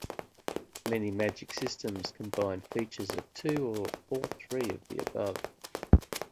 Many magic systems combine features of two or all three of the above.